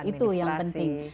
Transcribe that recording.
iya itu yang penting